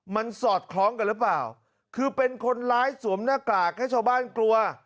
มันสอดคล้องกันหรือเปล่าคือเป็นคนร้ายสวมหน้ากากให้ชาวบ้านกลัว